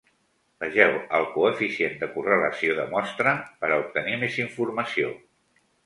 Vegeu el coeficient de correlació de mostra per a obtenir més informació.